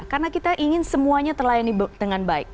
karena kita ingin semuanya terlayani dengan baik